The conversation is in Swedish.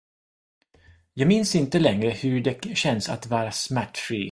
Jag minns inte längre hur det känns att vara smärtfri.